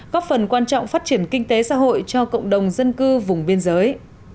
góp phần quan trọng phát triển kinh tế xã hội cho cộng đồng dân cư vùng biên giới